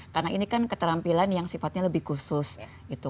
karena ini kan keterampilan yang sifatnya lebih khusus gitu